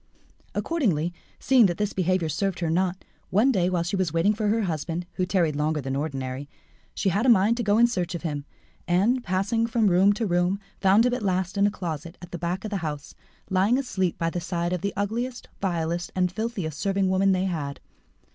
Accordingly, seeing that this behaviour served her naught, one day, while she was waiting for her husband, who tarried longer than ordinary, she had a mind to go in search of him, and, passing from room to room, found him at last in a closet at the back of the house, lying asleep by the side of the ugliest, vilest, and filthiest serving woman they had.